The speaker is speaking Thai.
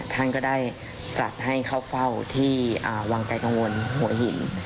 ท่านก็ได้จัดให้เข้าเฝ้าที่วังไกลกังวลหัวหิน